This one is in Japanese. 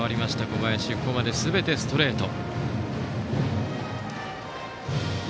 小林はここまですべてストレート。